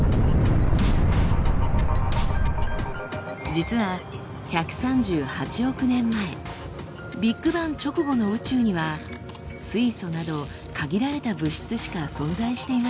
実は１３８億年前ビッグバン直後の宇宙には水素など限られた物質しか存在していませんでした。